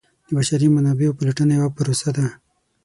د بشري منابعو پلټنه یوه پروسه ده.